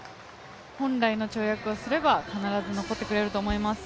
本来の跳躍をすれば必ず残ってくれると思います。